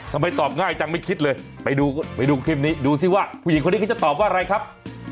ทำไมตอบง่ายจังไม่คิดเลยไปดูไปดูคลิปนี้ดูสิว่าผู้หญิงคนนี้เขาจะตอบว่าอะไรครับ